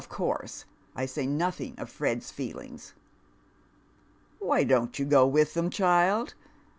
o I say nothing of Fred's feelings." " Why don't you go with them, child